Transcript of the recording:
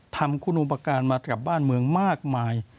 ทำคุณอุปการณ์มากับบ้านเมืองมากมาย